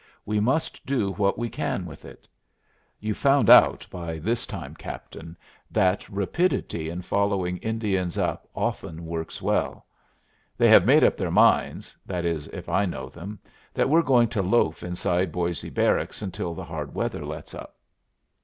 "We must do what we can with it. You've found out by this time, captain, that rapidity in following Indians up often works well. They have made up their minds that is, if I know them that we're going to loaf inside Boisé Barracks until the hard weather lets up."